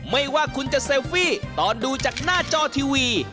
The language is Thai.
ไม่ว่าคุณจะเซลฟี่ตอนดูจากหน้าจอทีวี